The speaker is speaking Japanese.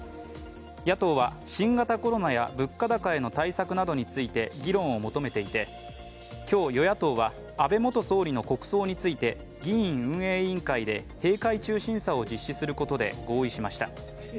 野党は新型コロナや物価高への対策などについて議論を求めていて今日、与野党は安倍元総理の国葬について議院運営委員会で閉会中審査を実施することで合意しました。